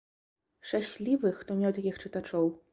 Шчаслівы, хто меў такіх чытачоў.